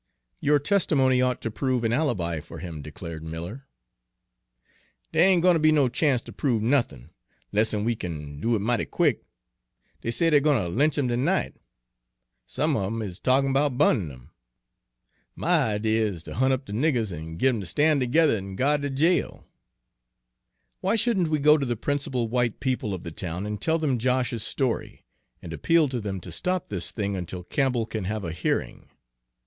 "Your testimony ought to prove an alibi for him," declared Miller. "Dere ain' gwine ter be no chance ter prove nothin', 'less'n we kin do it mighty quick! Dey say dey're gwine ter lynch 'im ter night, some on 'em is talkin' 'bout burnin' 'im. My idee is ter hunt up de niggers an' git 'em ter stan' tergether an' gyard de jail." "Why shouldn't we go to the principal white people of the town and tell them Josh's story, and appeal to them to stop this thing until Campbell can have a hearing?"